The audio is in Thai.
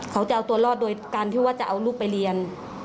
เขาจะเอาตัวรอดโดยการที่ว่าจะเอาลูกไปเรียน